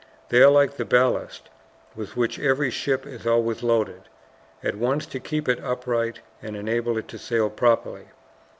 They are like the ballast with which every ship is always loaded, at once to keep it upright and enable it to sail properly.